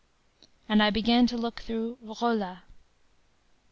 And I began to look through “Rolla.